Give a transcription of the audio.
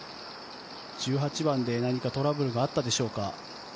１８番で何かトラブルがあったでしょうか。